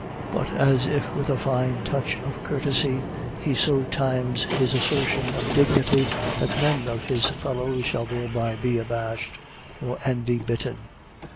But as if with a fine touch of courtesy, he so times his assertion of dignity that none of his fellows shall thereby be abashed nor envy bitten.